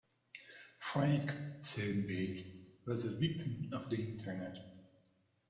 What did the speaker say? "Frank", said Bate, was a victim of the Internet.